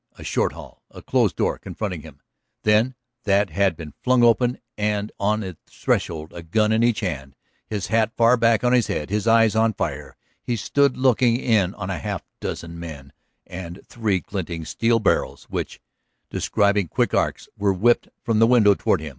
A short hall, a closed door confronting him ... then that had been flung open and on its threshold, a gun in each hand, his hat far back on his head, his eyes on fire, he stood looking in on a half dozen men and three glinting steel barrels which, describing quick arcs, were whipped from the window toward him.